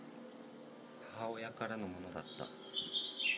母親からのものだった